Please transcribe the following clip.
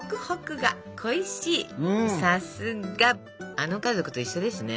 あの家族と一緒ですね。